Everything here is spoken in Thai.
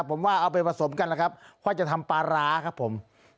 ผมว่าเอาไปผสมกันแล้วครับค่อยจะทำปลาร้าครับผม